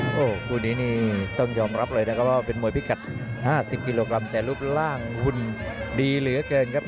โอ้โหคู่นี้นี่ต้องยอมรับเลยนะครับว่าเป็นมวยพิกัด๕๐กิโลกรัมแต่รูปร่างหุ่นดีเหลือเกินครับ